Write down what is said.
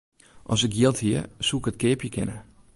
As ik jild hie, soe ik it keapje kinne.